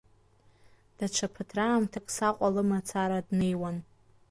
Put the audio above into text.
Даҽа ԥыҭраамҭак Саҟәа лымацара днеиуан.